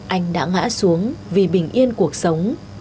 anh đã ngã xuống vì bình yên cuộc sống